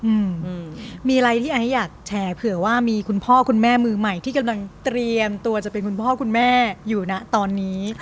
อืมมีอะไรที่ไอ้อยากแชร์เผื่อว่ามีคุณพ่อคุณแม่มือใหม่ที่กำลังเตรียมตัวจะเป็นคุณพ่อคุณแม่อยู่นะตอนนี้